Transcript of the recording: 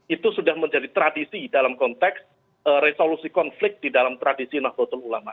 itu sudah menjadi tradisi dalam konteks resolusi konflik di dalam tradisi nahdlatul ulama